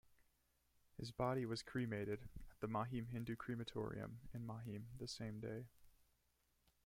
His body was cremated at the Mahim Hindu Crematorium in Mahim the same day.